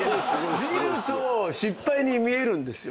見ると失敗に見えるんですよ。